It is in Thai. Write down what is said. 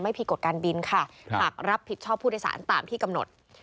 ผิดกฎการบินค่ะหากรับผิดชอบผู้โดยสารตามที่กำหนด